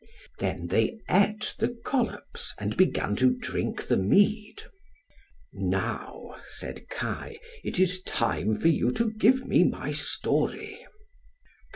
Then they ate the collops and began to drink the mead. "Now" said Kai, "it is time for you to give me my story."